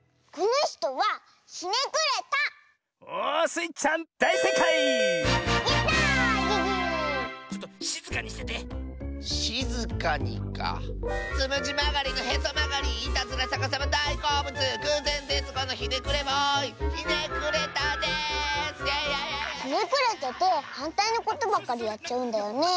ひねくれててはんたいのことばっかりやっちゃうんだよねえ。